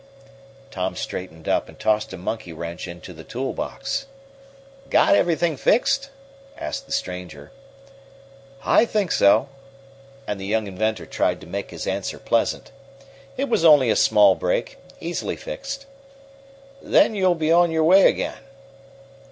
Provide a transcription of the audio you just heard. Tom straightened up, and tossed a monkey wrench into the tool box. "Get everything fixed?" asked the stranger. "I think so," and the young inventor tried to make his answer pleasant. "It was only a small break, easily fixed." "Then you'll be on your way again?"